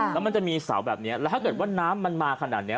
แล้วมันจะมีเสาแบบนี้แล้วถ้าเกิดว่าน้ำมันมาขนาดนี้